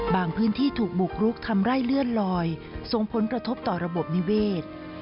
พื้นที่ถูกบุกรุกทำไร่เลื่อนลอยส่งผลกระทบต่อระบบนิเวศ